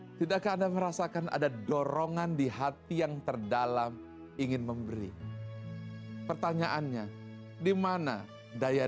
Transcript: tidakkah anda merasakan ada dorongan di hati yang terdalam ingin memberi pertanyaannya dimana daya